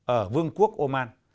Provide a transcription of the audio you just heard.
ở vương quốc oman